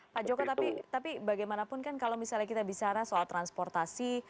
pak joko tapi bagaimanapun kan kalau misalnya kita bicara soal transportasi